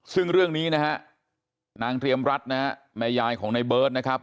ซึ่งเรื่องนี้นะฮะนางเตรียมรัฐนะฮะแม่ยายของในเบิร์ตนะครับ